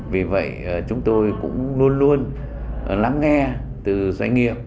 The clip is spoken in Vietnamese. vì vậy chúng tôi cũng luôn luôn lắng nghe từ doanh nghiệp